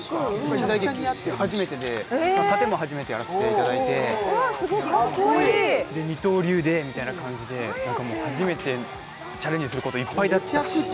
時代劇初めてで殺陣も初めてやらせていただいて二刀流でみたいな感じで初めてチャレンジすることいっぱいでした。